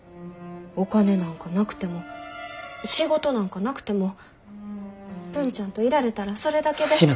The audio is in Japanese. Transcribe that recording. お金なんかなくても仕事なんかなくても文ちゃんといられたらそれだけで。